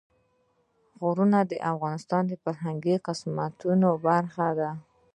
غرونه د افغانستان د فرهنګي فستیوالونو برخه ده.